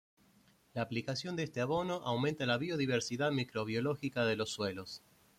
La aplicación de este abono aumenta la biodiversidad microbiológica de los suelos.